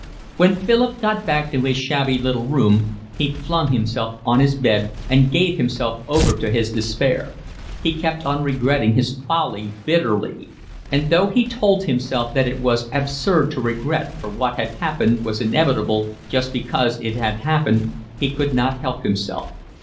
When Philip got back to his shabby little room he flung himself on his bed, and gave himself over to his despair. He kept on regretting his folly bitterly; and though he told himself that it was absurd to regret for what had happened was inevitable just because it had happened, he could not help himself.